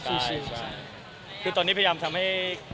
คือตอนนี้พยายามทำให้